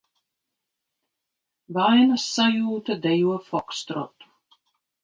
Vainas sajūta dejo fokstrotu...